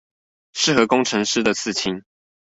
適合工程師的刺青